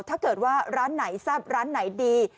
ถ้าเกิดว่าร้านไหนแซ่บร้านไหนดี